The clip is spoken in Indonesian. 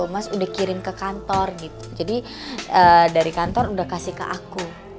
mas udah kirim ke kantor gitu jadi dari kantor udah kasih ke aku